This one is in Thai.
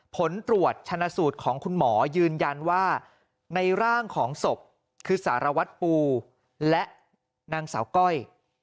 ผลตรวจชนะสูตรของคุณหมอยืนยันว่าในร่างของศพคือสารวัตรปูและนางสาวก้อย